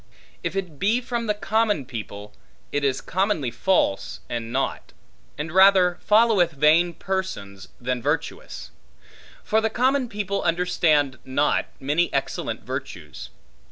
If it be from the common people, it is commonly false and naught; and rather followeth vain persons, than virtuous. For the common people understand not many excellent virtues.